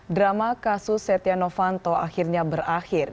drama kasus setia novanto akhirnya berakhir